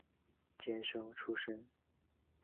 监生出身。